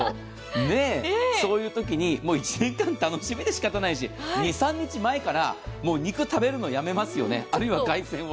そういうときに、１年間楽しみで、しかたないし２３日前から肉を食べるのをやめますよね、あるいは海鮮を。